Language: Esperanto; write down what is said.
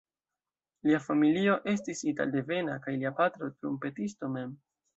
Lia familio estis italdevena kaj lia patro trumpetisto mem.